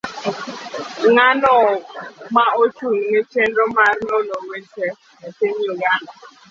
Ng'ano ma ochung' ne chenro mar nono weche e piny Uganda